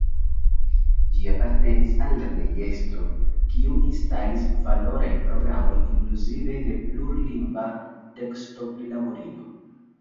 Ĝi apartenis al lernejestro, kiu instalis valorajn programojn, inkluzive de plurlingva tekstoprilaborilo.